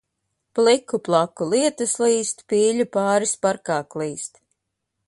Pliku plaku lietus līst, pīļu pāris parkā klīst.